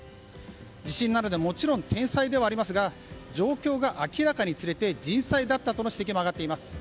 地震なのでもちろん天災ではありますが状況が明らかになるにつれて人災だとの指摘も上がっています。